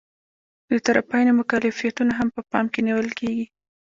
د طرفینو مکلفیتونه هم په پام کې نیول کیږي.